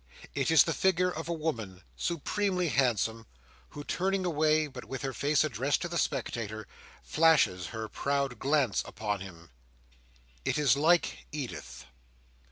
It is the figure of a woman, supremely handsome, who, turning away, but with her face addressed to the spectator, flashes her proud glance upon him. It is like Edith.